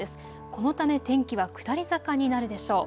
このため天気は下り坂になるでしょう。